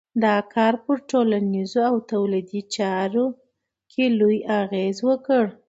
دا کار پر ټولنیزو او تولیدي چارو یې لوی اغېز وکړ.